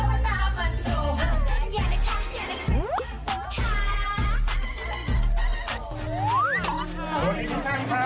สวัสดีค่ะคุณผู้ชมค่ะวันนี้ฮาปัสพามาถึงจากกันอยู่ที่ยา